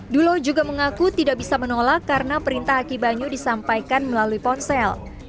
dulo juga mengaku tidak bisa menolak karena perintah aki banyu disampaikan melalui ponsel